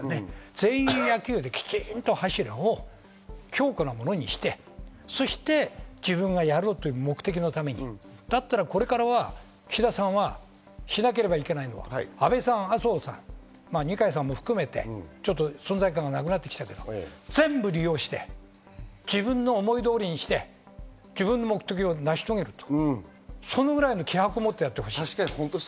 全員野球できちんと柱を強固なものにして、そして自分がやろうという目的のために、だったらこれからは岸田さんはしなければいけないのは安倍さん、麻生さん、まぁ二階さんも含めて存在感がなくなってきたけど、全部利用して自分の思い通りにして、自分の目的を成し遂げる、それぐらいの気迫を持ってやってほしい。